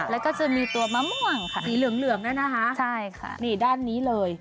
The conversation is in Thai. แล้วก็จะมีตัวมะม่วงค่ะสีเหลืองเหลืองด้วยนะคะใช่ค่ะนี่ด้านนี้เลย